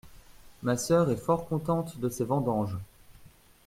Ma sœur est fort contente de ses vendanges.